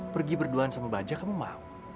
pergi berduaan sama baja kamu mau